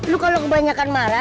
lo kalau kebanyakan marah